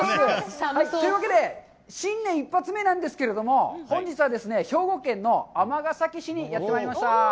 というわけで、新年一発目なんですけれども、本日はですね、兵庫県の尼崎市にやってまいりました。